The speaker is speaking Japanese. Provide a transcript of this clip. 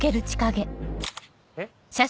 えっ？